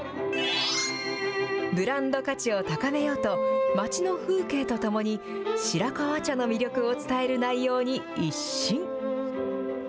ブランド価値を高めようと、町の風景とともに、白川茶の魅力を伝える内容に一新。